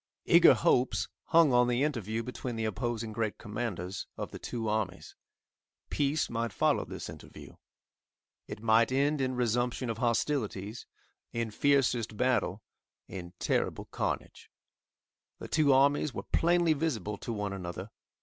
Eager hopes hung on the interview between the opposing great commanders of the two armies. Peace might follow this interview. It might end in resumption of hostilities, in fiercest battle, in terrible carnage. The two armies were plainly visible to one another.